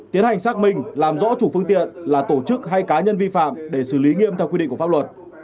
tiến hành xác minh làm rõ chủ phương tiện là tổ chức hay cá nhân vi phạm để xử lý nghiêm theo quy định của pháp luật